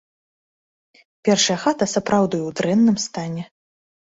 Першая хата сапраўды ў дрэнным стане.